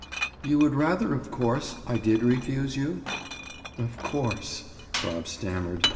"You would rather, of course, I did refuse you?" "Of course," Bob stammered.